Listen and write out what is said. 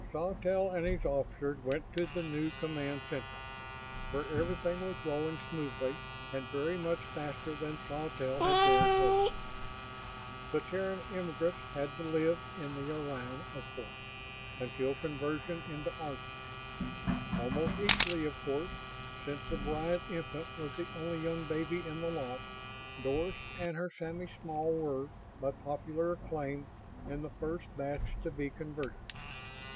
Sawtelle and his officers went to the new Command Central, where everything was rolling smoothly and very much faster than Sawtelle had dared hope. The Terran immigrants had to live in the Orion, of course, until conversion into Ardans. Almost equally of course since the Bryant infant was the only young baby in the lot Doris and her Sammy Small were, by popular acclaim, in the first batch to be converted.